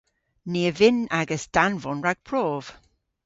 Ni a vynn agas danvon rag prov.